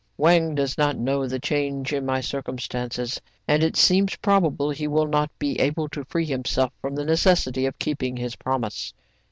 Wang does not know the change in my cir cumstances, and it seems probable he will not be able to free himself from the necessity of keep ing his promise.